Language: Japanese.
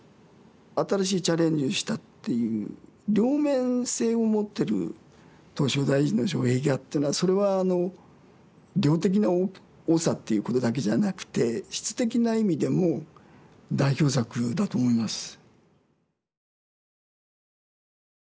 新しいチャレンジをしたっていう両面性を持ってる唐招提寺の障壁画っていうのはそれは量的な多さっていうことだけじゃなくて質的な意味でも代表作だと思います。